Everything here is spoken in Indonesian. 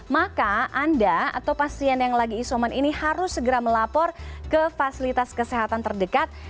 maka anda atau pasien yang lagi isoman ini harus segera melapor ke fasilitas kesehatan terdekat